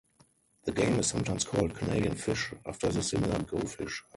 The game is sometimes called Canadian Fish, after the similar Go Fish.